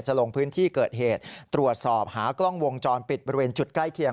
ลงพื้นที่เกิดเหตุตรวจสอบหากล้องวงจรปิดบริเวณจุดใกล้เคียง